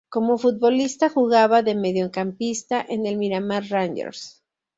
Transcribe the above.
Como futbolista jugaba de mediocampista en el Miramar Rangers.